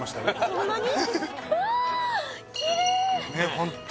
こんなに？